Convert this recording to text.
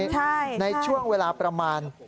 ใช่ในช่วงเวลาประมาณ